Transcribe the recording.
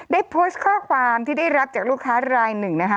ได้โพสต์ข้อความที่ได้รับจากลูกค้ารายหนึ่งนะคะ